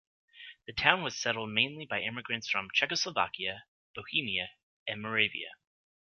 The town was settled mainly by immigrants from Czechoslovakia, Bohemia and Moravia.